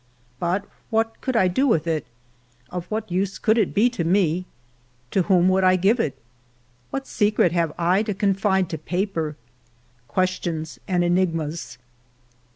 But what could I do with it? Of what use could it be to me ? To whom would I give it.'^ What secret have I to confide to paper ? Questions and enigmas